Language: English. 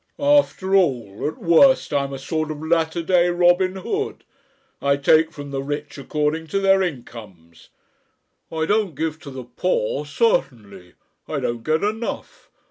After all, at worst, I am a sort of latter day Robin Hood; I take from the rich according to their incomes. I don't give to the poor certainly, I don't get enough.